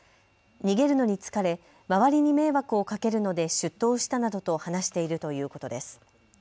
逃げるのに疲れ、周りに迷惑をかけるので出頭したなどと話しているということです。